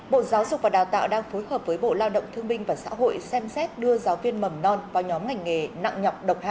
bộ giáo dục và đào tạo đang phối hợp với bộ lao động thương minh và xã hội xem xét đưa giáo viên mầm non vào nhóm ngành nghề nặng nhỏ